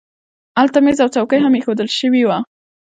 هلته مېز او څوکۍ هم اېښودل شوي وو